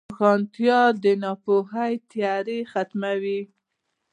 روښانتیا د ناپوهۍ تیاره ختموي.